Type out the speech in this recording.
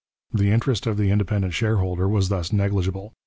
The interest of the independent shareholder was thus negligible.